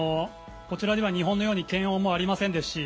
こちらでは日本のように検温もありませんし